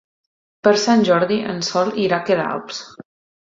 Per Sant Jordi en Sol irà a Queralbs.